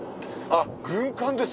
軍艦です！